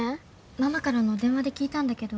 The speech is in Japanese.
ママからの電話で聞いたんだけど。